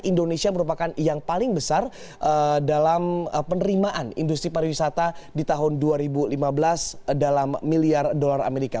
indonesia merupakan yang paling besar dalam penerimaan industri pariwisata di tahun dua ribu lima belas dalam miliar dolar amerika